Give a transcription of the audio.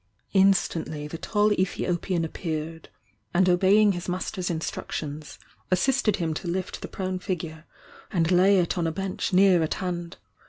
.,.„ Instantly the tall Ethiopian appeared, and obey ing his master's instructions, assisted him to Utt the prone figure and lay it on a bench near at hand.